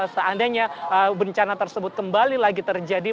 seandainya bencana tersebut kembali lagi terjadi